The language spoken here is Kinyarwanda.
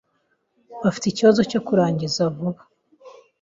bafite ikibazo cyo kurangiza vuba,